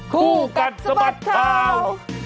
กูกัดสะบัดคราว